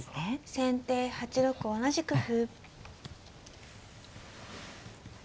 先手８六同じく歩。